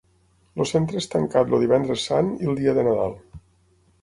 El centre és tancat el Divendres Sant i el Dia de Nadal.